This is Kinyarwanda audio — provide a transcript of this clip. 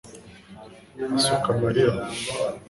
usuka amarira